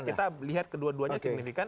kita lihat kedua duanya signifikan